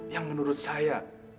yang menurut saya